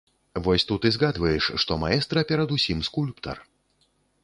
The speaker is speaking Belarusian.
Вось тут і згадваеш, што маэстра перадусім скульптар.